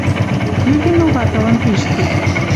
Кӱ виноват ылын тиштӹ